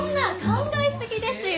考えすぎですよ。